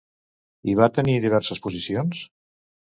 Hi va tenir diverses posicions?